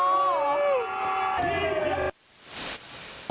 โอ้โหพี่แจ๊ก